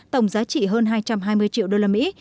tổng giá trị hơn hai trăm hai mươi triệu đô la mỹ